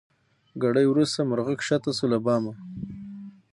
ګړی وروسته مرغه کښته سو له بامه